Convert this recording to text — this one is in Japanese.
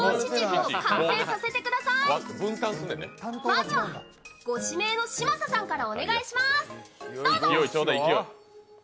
まずはご指名の嶋佐さんからお願いします。